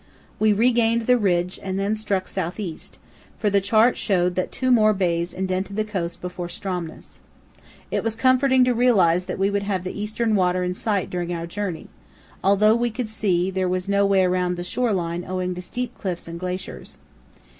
We regained the ridge and then struck south east, for the chart showed that two more bays indented the coast before Stromness. It was comforting to realize that we would have the eastern water in sight during our journey, although we could see there was no way around the shore line owing to steep cliffs and glaciers.